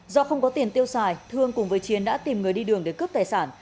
do không có tiền tiêu xài thương cùng với chiến đã tìm người đi đường để cướp tài sản